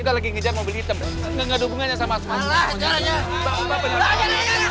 tidak tidak tidak